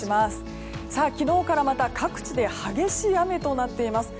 昨日からまた各地で激しい雨となっています。